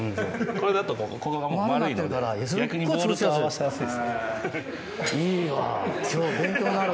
これだとここが丸いので逆にボウルと合わせやすい。